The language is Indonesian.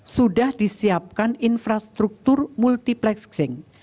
sudah disiapkan infrastruktur multiplexing